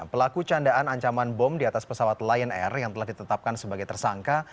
pelaku candaan ancaman bom di atas pesawat lion air yang telah ditetapkan sebagai tersangka